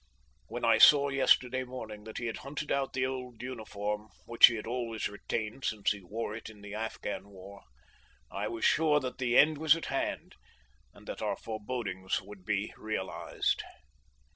When I saw yesterday morning that he had hunted out the old uniform which he had always retained since he wore it in the Afghan war, I was sure that the end was at hand, and that our forebodings would be realised.